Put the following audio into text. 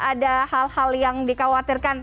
ada hal hal yang dikhawatirkan